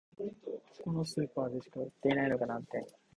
ここのスーパーでしか売ってないのが難点